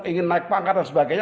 ingin naik pangkat dan sebagainya